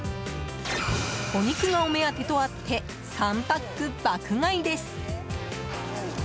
お肉がお目当てとあって３パック爆買いです。